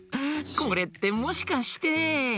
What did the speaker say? これってもしかして。